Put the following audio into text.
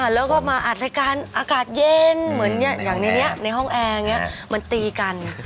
แล้วก็มาอัดรายการอากาศเย็นเหมือนอย่างในนี้ในห้องแอร์อย่างนี้มันตีกัน